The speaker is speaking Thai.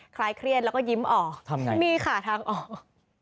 คล้ายเครียดแล้วก็ยิ้มออกทำไงมีค่ะทางออก